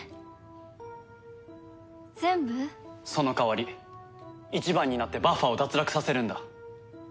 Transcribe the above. その代わり１番になってバッファを脱落させるんだ。